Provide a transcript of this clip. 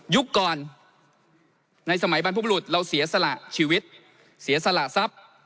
ก่อนในสมัยบรรพบรุษเราเสียสละชีวิตเสียสละทรัพย์